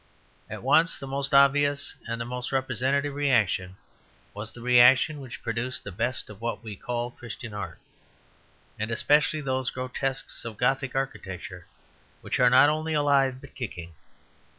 At once the most obvious and the most representative reaction was the reaction which produced the best of what we call Christian Art; and especially those grotesques of Gothic architecture, which are not only alive but kicking.